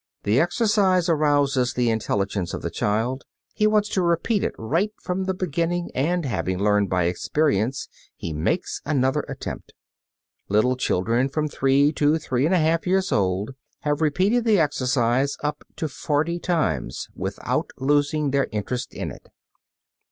The exercise arouses the intelligence of the child; he wants to repeat it right from the beginning and, having learned by experience, he makes another attempt. Little children from three to three and a half years old have repeated the exercise up to forty times without losing their interest in it.